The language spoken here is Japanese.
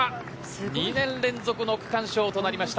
２年連続の区間賞となりました。